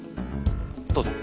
どうぞ。